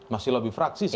masih lebih fraksis ya